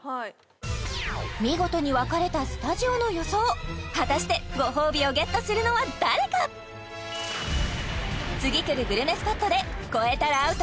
見事に分かれたスタジオの予想果たしてご褒美をゲットするのは誰か次くるグルメスポットで「超えたらアウト！